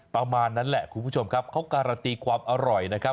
ประมาณนั้นแหละคุณผู้ชมครับเขาการันตีความอร่อยนะครับ